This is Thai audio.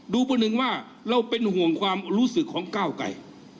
ประหนึ่งว่าเราเป็นห่วงความรู้สึกของก้าวไกร